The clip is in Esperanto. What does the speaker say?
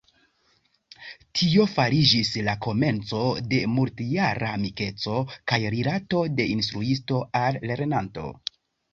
Tio fariĝis la komenco de multjara amikeco kaj rilato de instruisto al lernanto.